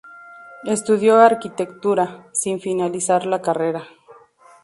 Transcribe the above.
Estudió arquitectura, sin finalizar la carrera.